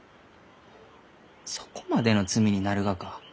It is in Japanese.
そこまでの罪になるがか？